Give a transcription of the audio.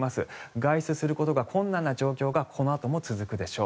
外出することが困難な状況がこのあとも続くでしょう。